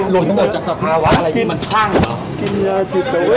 ล้มทั้งหมดจากสภาวะอะไรมันพร่างเหรอ